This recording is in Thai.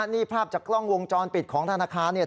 นี่ภาพจากกล้องวงจรปิดของธนาคารเนี่ย